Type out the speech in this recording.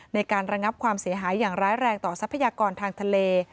ในการระงับความเสียหายอย่างร้ายแรงต่อทรัพยากรทางทะเล